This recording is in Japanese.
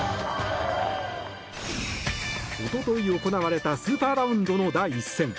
おととい行われたスーパーラウンドの第１戦。